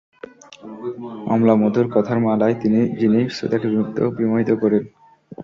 অম্লমধুর কথার মালায় যিনি শ্রোতাকে বিমুগ্ধ বিমোহিত করেন।